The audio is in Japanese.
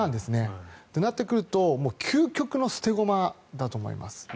となってくると究極の捨て駒だと思います。